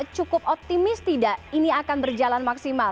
cukup optimis tidak ini akan berjalan maksimal